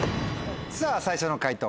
さぁ最初の解答